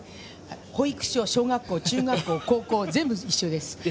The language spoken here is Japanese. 保育所、小学校、中学校、高校全部一緒です。